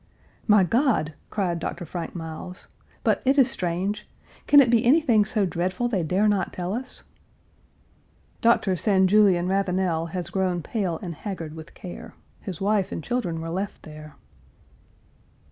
"My God!" cried Dr. Frank Miles, "but it is strange. Can it be anything so dreadful they dare not tell us?" Dr. St. Julien Ravenel has grown pale and haggard with care. His wife and children were left there.